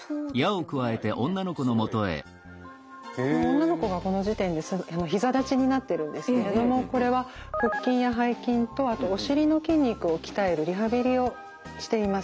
女の子がこの時点で膝立ちになってるんですけれどもこれは腹筋や背筋とあとおしりの筋肉を鍛えるリハビリをしています。